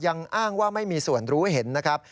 ยังอ้างว่าไม่มีส่วนรู้เห็นนะครับ